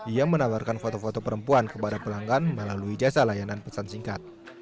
ia menawarkan foto foto perempuan kepada pelanggan melalui jasa layanan pesan singkat